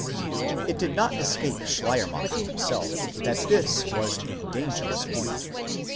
It did not escape Schleier macher himself that this was a dangerous point.